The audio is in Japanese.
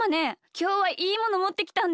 きょうはいいものもってきたんだ。